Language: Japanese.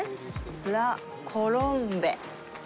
ラ・コロンベ。